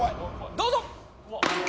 どうぞ！